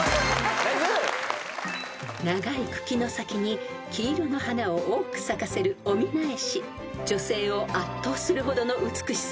［長い茎の先に黄色の花を多く咲かせるオミナエシ］